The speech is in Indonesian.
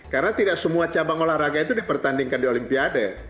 karena tidak semua cabang olahraga itu dipertandingkan di olimpiade